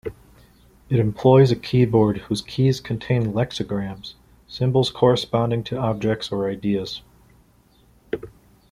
It employs a keyboard whose keys contain "lexigrams", symbols corresponding to objects or ideas.